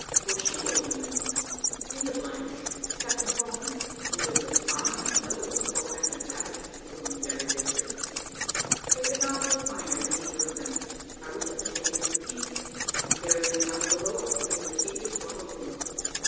"What ship were you in?" "In the Blanche, Captain Faulkner, who was as fine a fellow as poor Captain Savage, whom we buried yesterday; there could not be a finer than either of them. I was at the taking of the Pique, and carried him down below after he had received his mortal wound.